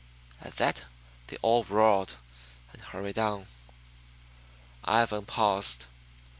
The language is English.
"At that they all roared, and hurried on." Ivan paused.